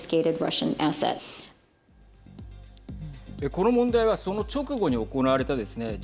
この問題はその直後に行われたですね